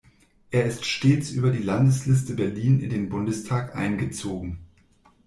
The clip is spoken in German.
Er ist stets über die Landesliste Berlin in den Bundestag eingezogen.